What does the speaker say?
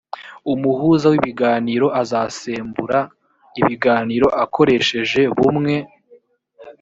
umuhuza w ibiganiro azasembura ibiganiro akoresheje bumwe